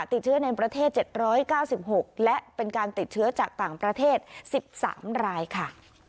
ติดเชื้อในประเทศ๗๙๖และเป็นการติดเชื้อจากต่างประเทศ๑๓รายค่ะ